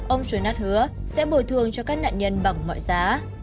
ông john nack hứa sẽ bồi thường cho các nạn nhân bằng mọi giá